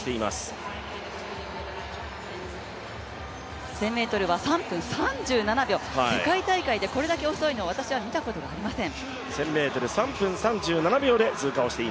１０００ｍは３分３７秒、世界大会でこれだけ遅いのは私は見たことがありません。